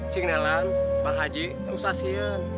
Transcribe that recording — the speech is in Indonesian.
cing nelan pak haji usah siin